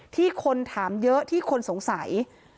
ที่คนถามเยอะที่คนสงสัย